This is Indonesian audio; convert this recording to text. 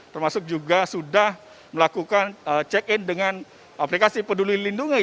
termasuk juga sudah melakukan check in dengan aplikasi peduli lindungi